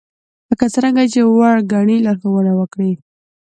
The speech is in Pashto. لکه څرنګه چې وړ ګنئ لارښوونه وکړئ